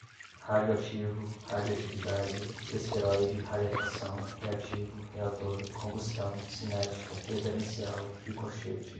radioativo, radioatividade, esferoide, rarefação, reativo, reator, combustão, cinética, referencial, ricochete